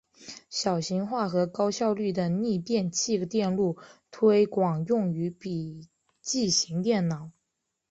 小型化和高效率的逆变器电路推广用于笔记型电脑。